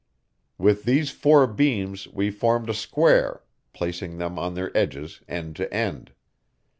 With these four beams we formed a square, placing them on their edges, end to end.